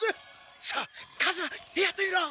さあ数馬やってみろ。